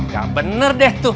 gak bener deh tuh